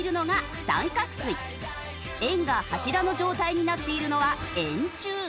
円が柱の状態になっているのは円柱。